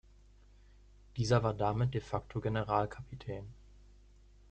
Dieser war damit "de facto" Generalkapitän.